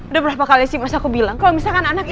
udah berapa kali sih mas aku bilang kalau misalkan anak ya